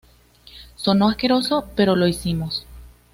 Sonó asqueroso, pero lo hicimos.